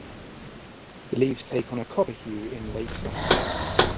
The leaves take on a copper hue in late summer.